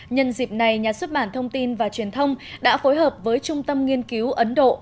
nhân dịp này nhà xuất bản thông tin và truyền thông đã phối hợp với trung tâm nghiên cứu ấn độ